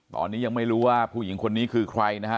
ตอนนี้ยังไม่รู้ว่าผู้หญิงคนนี้คือใครนะฮะ